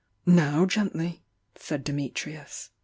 "Now, gently!" said Dimitrius.